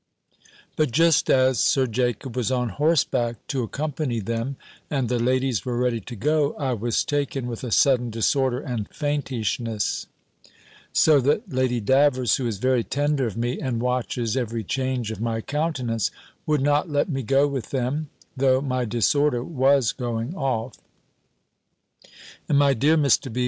But just as Sir Jacob was on horseback to accompany them, and the ladies were ready to go, I was taken with a sudden disorder and faintishness; so that Lady Davers, who is very tender of me, and watches every change of my countenance, would not let me go with them, though my disorder was going off: and my dear Mr. B.